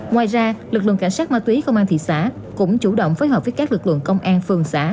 ngoài ra lực lượng cảnh sát ma túy công an thị xã cũng chủ động phối hợp với các lực lượng công an phường xã